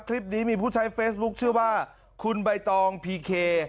คลิปนี้มีผู้ใช้เฟซบุ๊คชื่อว่าคุณใบตองพีเค